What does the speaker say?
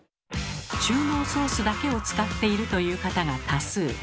中濃ソースだけを使っているという方が多数。